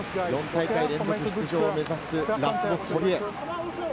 ４大会連続出場を目指す、ラスボス・堀江。